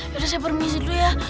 ya udah saya permisi dulu ya